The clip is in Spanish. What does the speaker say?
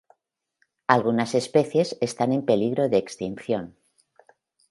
Algunas especies están en peligro de extinción.